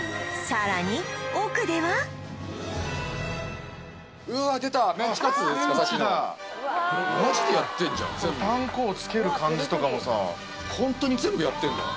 さっきのパン粉をつける感じとかもさホントに全部やってんだ